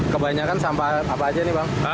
kebanyakan sampah apa aja nih bang